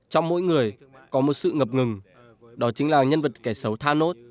trong mỗi người có một sự ngập ngừng đó chính là nhân vật kẻ xấu thanos